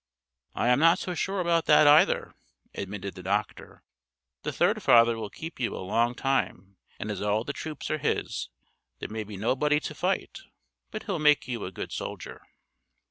"I am not so sure about that, either," admitted the doctor. "The third Father will keep you a long time; and as all the troops are his, there may be nobody to fight: but He'll make you a good soldier!"